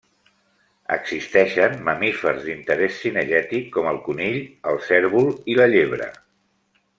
Existeixen mamífers d'interès cinegètic com el conill, el cérvol i la llebre.